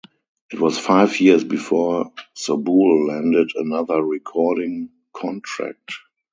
It was five years before Sobule landed another recording contract.